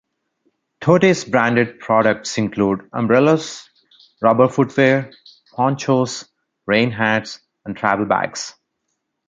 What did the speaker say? Totes branded products include umbrellas, rubber footwear, ponchos, rain hats, and travel bags.